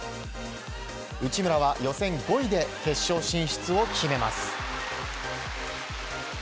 内村は予選５位で決勝進出を決めます。